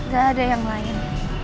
gak ada yang lain